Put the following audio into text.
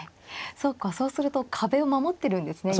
そうかそうすると壁を守ってるんですね。